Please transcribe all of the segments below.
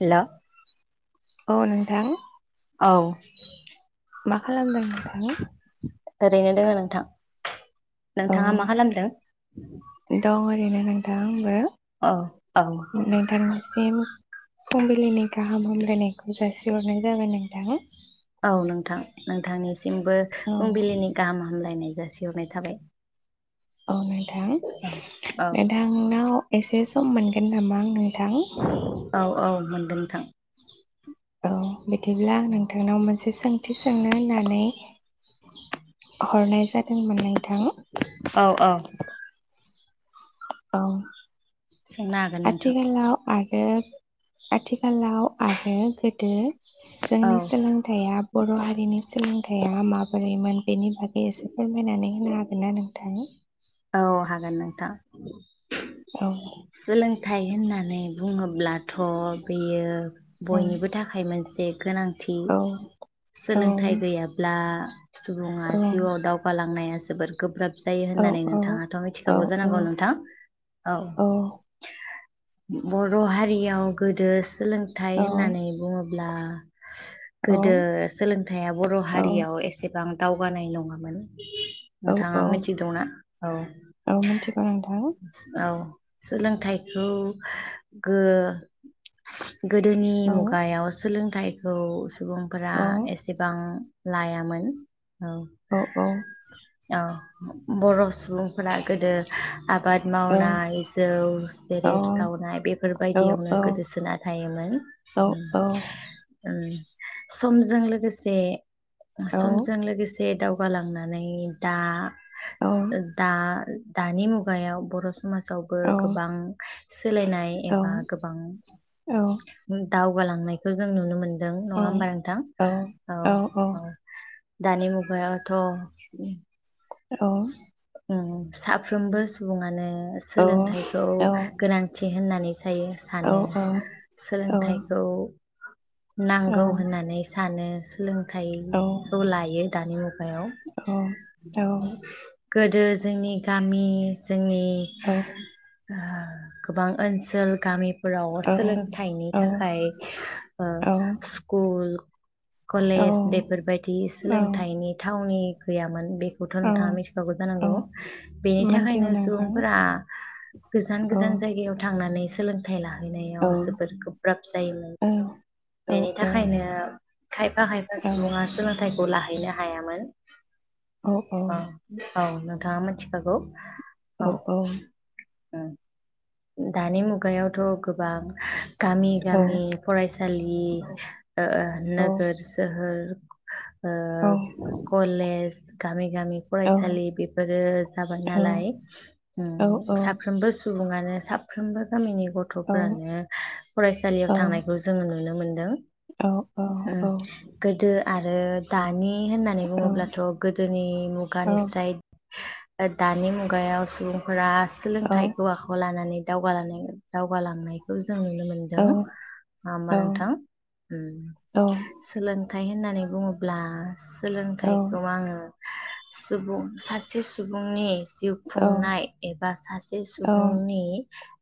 Hello औ नोंथां औ मा खालामदों नोंथां एरैनो दङ नोंथां औ नोंथाङा मा खालामदों दं ओरैनो दा आंबो औ औ नोंथांनिसिम फुंबिलिनि गाहाम हामलायनायखौ जासिहरनाय जाबाय नोंथाङा औ नोंथां नोंथांनि सिमबो फुंबिलिनि गाहाम हामलायनाय जासि सिहरनाय थाबाय औ मा नोंथां औ नोंथांनाव एस एसे सम मोनगोन नामा आं नोंथां? औ औ मोनदों नोंथां औ बिदिब्ला नोंथांनाव मोनसे सोंथि सोंनो ओननानै हर नाय जादों मोन औ औ औ सोंनो हागोन नोंथां आथिखालाव आ आथिखालाव आरो गोदो। औ जोंनि सोलोंथाइया बर' हारिनि सोलोंथाइ थाइया माबोरैमोन बेनि बागै एसे फोरमायनानै होनो हागोन ना नोंथां? औ हागोन नों औ सोलोंथाइ होनना बुङोब्ला ब्लाथ' बेयो औ बयनिबो थाखाय मोनसे जे गोनां थि औ औ सोलोंथाइ गैयाब्ला सुबुङा औ जिउआव दावगालांनाया जोबोर गोब्राब जायो औ होननानै नोंथाङाथ' औ मिथिखागौ जानांगौ नोंथां औ बर' हारियाव गोदो सोलोंथाइ होननानै बुङोब्ला गोदो सोलोंथाइया बर' औ हारियाव एसे बां दावगानाय नङामोन औ नोंथाङा औ मिथि गौना औ औ मिथिगौ नोंथां औ सोलोंथाइखौ गोदोनि औ मुगायाव सोलोंथाइ खौ सुबुंफोरा औ एसेबां लायामोन औ औ बर' सुबुंफोरा गोदो आबाद औ मावनाय जौ औ सेरेब सावनाय औ बेफोरबायदियावनो औ गोदोसोना थायोमोन औ औ औ उम समजों लोगोसे औ समझों लोगोसे एसे दावगालांनानै दा दा दानि मुगायाव बर' समाजाव बो गोबां सोलायनाय एबा गोबां [unintelligible] दावगालांनायखौ जों नुनो मोन दों नङा होमबा नोंथां औ औ दानि मुगायावथ' ओम औ साफ्रोमबो सुबुङानो सोलोंथाइखौ गोनांथि होननानै थायो सानो सोलोंथाइखौ नांगौ होननानै सानो औ सोलोंथाइखौ लायो दानि मुगायाव उम गोदो जोंनि गामि जोंनि [unintelligible] गोबां ओनसोल गामि फोराव सोलोंथाइनि थाखाय ओ स्कुल कलेज बेफोरबायदि सोलोंथाइनि थावनि गैयामोन बे [unintelligible] खौथ' औ नोंथाङा मिथिखागौ औ जानांगौ बेनि मिथिगौ थाखायनो नोंथां सुबुंफोरा गोजान औ गोजान जायगायाव थांनानैसो सोलोंथाइ ला औ लाहैनायाव जोबोद गोब्राब जायोमोन औ औ बेनि औ थाखायनो खायफा खायफा सुबुङा सोलोंथाइ लाहैनो हायामोन औ औ औ नोंथाङा मोनथिखागौ औ औ ओं दानि मुगायावथ' गोबां गामि गामि फरायसालि ओ नोगोर सोहोर ओ कलेज गामि गामि फरायसालि बेफोरो जाबाय नालाय ओम साफ्रोमबो सुबुंङानो साफ्रोमबो गामिनि गथ'फोरानो फरायसालियाव थांनायखौ जोङो नुनो मोनदों ओम गोदो आरो दानि होननानै बुङोब्लाथ' गोदोनि मुगानिस्राय ओ दानि मुगायाव सुबुंफोरा सोलोंथाइखौ आखायाव लानानै दावगालांनाय-दावगालांनायखौ जों नुनो मोनदों नङा होमबा नोंथां ओम औ सोलोंथाइ थाय होननानै बुङोब्ला औ औ सोलोंथाइखौ आङो सुबुं सासे सुबुंनि जिउ खुंनाय एबा सासे सुबुंनि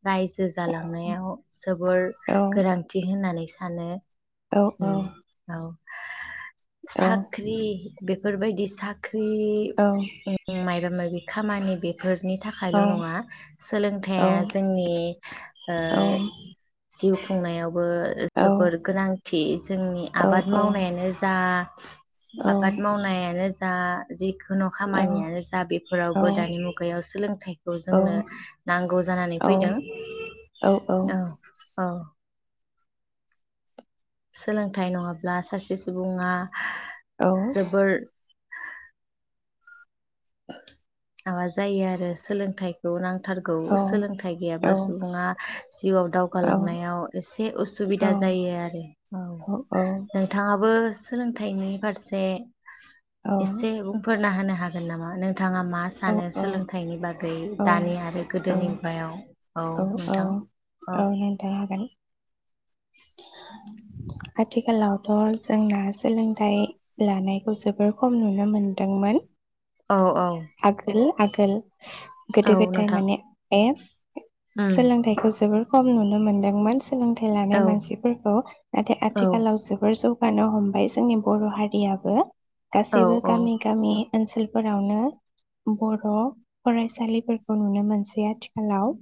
रायजो जालांनायाव जोबोर गोनांथि होननानै थानो औ औ साख्रि बे बेफोरबायदि साख्रि जि ओम माइबा माइबि खामानि बे फोरनि थाखायल' नङा सोलोंथाइया नि ओ जिउ खुंनायाव बो‌ जोबोर गोनां थि जोंनि आबाद मावनायानो जा आबाद मावनायानो जा जि खुनु खामानियानो जा बेफोरावबो दानि मुगायाव सोलोंथाइखौ जोंनो नांगौ जानानै फैदों औ औ सोलोंथाइ नङाब्ला सासे सुबुङा जोबोर माबा जायो आरो सोलोंथाइखौ नांगौ थारगौ सोलोंथाइ गैयाबा सुबुङा जिउआव दावगालांनायाव एसे उसुबिदा जायो आरो औ नोंथाङाबो सोलोंथाइनि फारसे एसे बुंफोरना होना हागोन नामा हागोन नोंथाङा मा सानो सोलोंथाइनि बागै दानि आरो गोदोनि मुगायाव औ औ औ नोंथा हागोन [inaudible] आथिखालावथ' जोंना सोलोंथाइ लानायखौ जोबोर खम नुनो मोनदोंमोन औ औ आगोल आगोल गोदो औ गोदाय नोंथां माने ए उम सोलोंथाइखौ जोबोर खम नुनो मोनदोंमोन सोलोंथाइ लानाय औ मानसिफोरखौ नाथाय औ आथिखालाव जोबोर जौ गानो हमबाय जोंनि बर' हारियाबो औ गासैबो औ गामि गामि ओनसोलफोरावनो बर' फरायसालिफोरखौ नुनो मोनसै आथिखालाव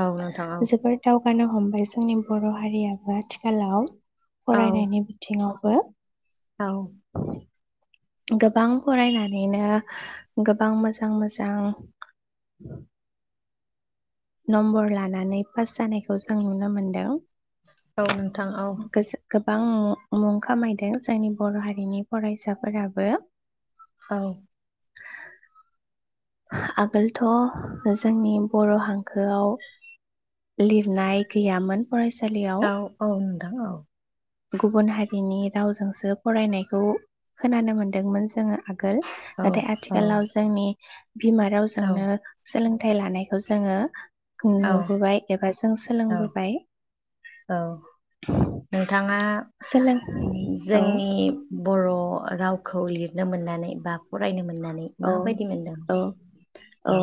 औ नोंथां औ नो हमबाय जोंनि बर' हारियाबो आथिखालाव औ फरायनायनि बिथिङाव बो औ गोबां फरायनानैनो गोबां मोजां मोजां नम्बर लानानै पास जानायखौ जों नुनो मोनदों औ नोंथां औ गोबां मुं खामायदों जोंनि बर' हारिनि फरायसाफोराबो औ [inaudible] आगोलथ' जोंनि बर' हांखोआव लिरनाय गैयामोन फरायसालियाव औ औ नोंथां औ गुबुन हारिनि रावजोंसो फरायनायखौ खोनानो मोनदोंमोन जोङो आगोल औ नाथाय आथिखालाव जोंनि बिमा औ रावजोंनो सोलोंथाइ लानायखौ जोङो औ नु-नुबोबाय एबा जों औ सोलोंबोबाय। औ नोंथाङा सोलों उम औ जोंनि ब' र' रावखौ लिरनो मोननानै बा फरायनो मोन औ औ औ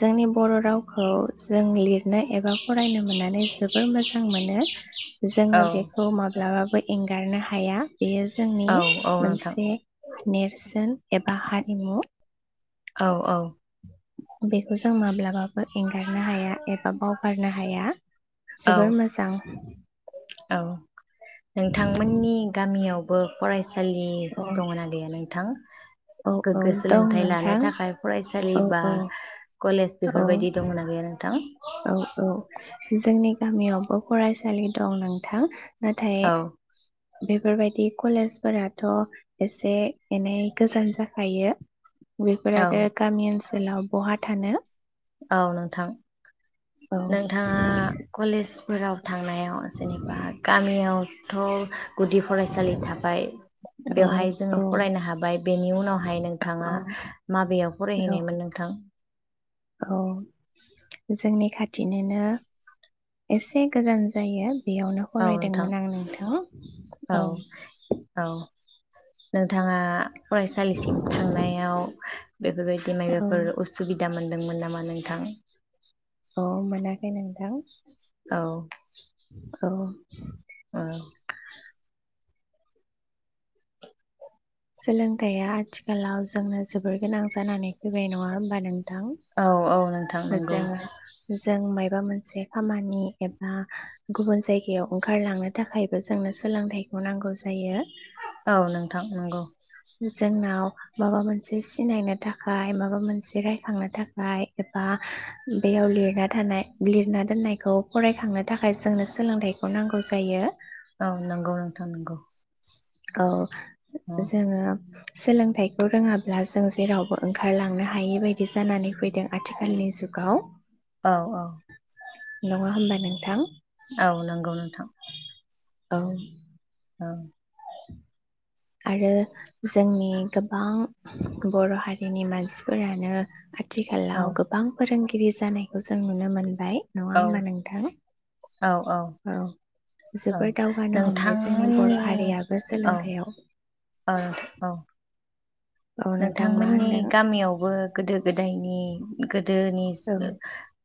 जोंनि बर' रावखौ जों लिर नो एबा फरायनो मोननानै जोबोर मोजां मोनो औ जोङो बेखौ माब्लाबा बो एंगारनो हाया। बेयो जोंनि औ औ नोंथां मोनसे नेरसोन एबा हारिमु। औ औ। बेखौ जों माब्लाबा बो एंगारनो हाया एबा बावगारनो हाया औ जोबोर मोजां। औ। नोंथांमोननि गामियाव बो फरायस सालि औ दङना गैया नोंथां? औ [inaudible] औ गोग्गो दं सोलोंथाइ लानो नोंथां थाखाय फरायसालि औ बा औ कलेज औ बेफोरबायदि दंना गैया नोंथां? औ औ। जोंनि गामियावबो फरायसालि दं नोंथां। नाथाय औ बेफोरबायदि कलेजफोराथ' एसे एनै गोजान जाखायो। बिफोर औ आरो गामि ओनस सोलाव बहा थानो औ नोंथां औ नोंथाङा कलेज फोराव थांनायाव जेनेबा गामियाव थ' गुदि फरायसालि थाबाय औ बेवहाय औ जोङो फरायनो हाबाय बेनि उनावहाय नोंथाङा औ माबेयाव औ फरायहैनायमोन नोंथां? औ जोंनि खाथिनोनो एसे गोजान जायो बेयावनो औ नोंथां फरायदोंमोन आं नोंथां औ। औ नोंथाङा फरायसालिसिम थांनायाव बेफोरबायदि औ मायबाफोर उसुबिदा मोनदों मोनदोंमोन नामा नोंथां औ मोनाखै नोंथां औ औ [inaudible] सोलोंथाइया आथिखालाव जोंनो जोबोर गोनां जानानै फैबाय नङा होमबा नोंथां औ औ नोंथां नंगौ जोङो जों मायबा मोनसे खामानि एबा गुबुन जायगायाव ओंखारलांनो थाखायबो जोंनो सोलोंथाइखौ नांगौ जायो औ नंगौ नोंथां नंगौ जोंनाव माबा मोनसे सिनायनो थाखाय माबा मोनसे रायखांनो थाखाय एबा बेयाव लिरना थानाय लिरना दोननायखौ फरायखांनो थाखाय जोंनो सोलोंथाइखौ नांगौ जायो औ नंगौ नोंथां नंगौ औ औ जोङो सोलोंथाइखौ रोङाब्ला जों जेरावबो ओंखारलांनो हायि बायदि जानानै फैदों आथिखालनि जुगाव औ औ नङा होमबा नोंथां औ नंगौ नोंथां औ औ आरो जोंनि गोबां बर' हारिनि मानसिफोरानो आ औ आथिखालाव गोबां फोरोंगिरि गिरि जानायखौ जों नुनो मोनदों फाय औ नङा होमबा नोंथां औ औ जोबोर दावगानो हमबाय जोंनि बर' नोंथांमोननि हारियाबो सोलोंथाइयाव ओ‌ औ औ नोंथां मा नोंथांमोननि होनदों गामियावबो गोदो गोदायनि गोदोनि [unintelligible] गोद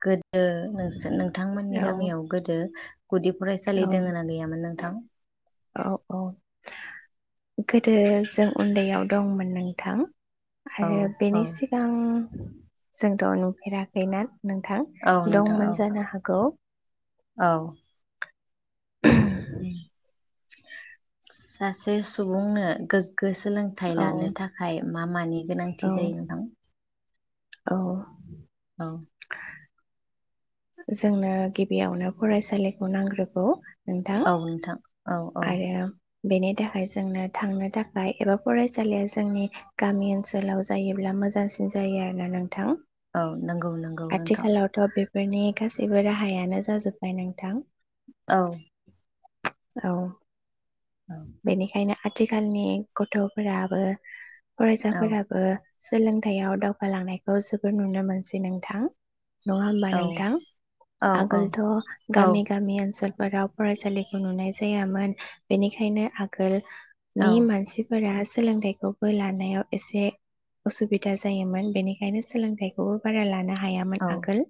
गोदो नोंस नोंथांमोननि औ गामियाव गोदो गुदि फरायसालि औ दङ ना गैयामोन नोंथां औ औ गोदो जों उन्दैयाव दंमोन नोंथां औ आरो बेनि औ सिगां जोंथ' नुफेराखै नोंथां औ नोंथां औ दंमोन जानो हागौ औ [unintelligible] सासे सुबुंनो गो सोलोंथाइ औ लानो थाखाय मा मानि गोनांथि औ जायो नोंथां औ औ जोंनो गिबियावनो फरायसालिखौ नांग्रोगौ नोंथां औ नोंथां औ औ आरो बेनि थाखाय जोंनो थांनो थाखाय एबा फरायसालिया जोंनि गामि ओनसोलाव जायोब्ला मोजांसिन जायो आरो नोंथां औ नंगौ नंगौ नोंथां बेनि गासैबो राहायानो जाजोबबाय नोंथां औ औ औ बेनिखायनो आथिखालनि गथ'फोराबो औ फरायसाफोराबो सोलोंथाइयाव दावगालांनायखौ जोबोर नुनो मोनसै नोंथां नङा होमबा औ नोंथां औ औ आगोलथ' गामि औ गामि ओनसोल फोराव फरायसालिखौ नुनाय जाया जायामोन बेनिखायनो आगोल नि औ मानसिफोरा सोलोंथाइखौबो लानायाव एसे उसुबिदा जायोमोन बेनिखायनो सोलोंथाइखौबो बारा लानो औ हायामोन आगोल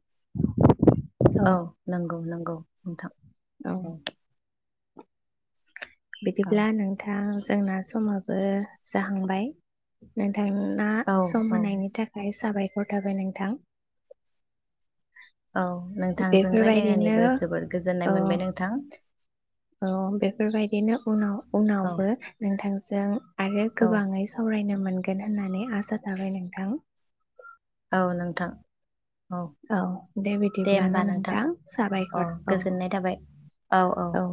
औ नगौ नंगौ नोंथां औ औ बिदिब्ला नोंथां जोंना समाबो जाहांबाय नोथां औ सम औ होनायनि थाखाय साबायखर थाबाय नोंथां औ नोंथांजों बेफोरबायदिनो रायलायनानैबो जोबोद औ गोजोननाय मोनबाय नोंथां औ बेफोरबायदिनो उनाव औ उनावबो नोंथां जों आरो औ गोबाङै सावरायनो मोनगोन होननानै आसा थाबाय नोंथां औ नोंथां औ दे बिदिबब्ला ना नोंथां साबायखर औ गोजोननाय थाबाय औ